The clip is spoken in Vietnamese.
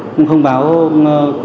cũng không báo cho gia đình